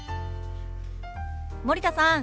森田さん